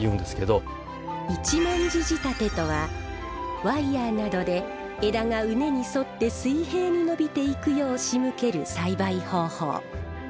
一文字仕立てとはワイヤーなどで枝が畝に沿って水平に伸びていくよう仕向ける栽培方法。